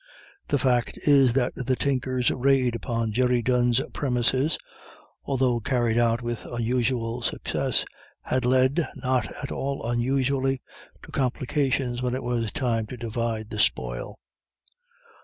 The fact is that the Tinkers' raid upon Jerry Dunne's premises, although carried out with unusual success, had led, not at all unusually, to complications when it was time to divide the spoil.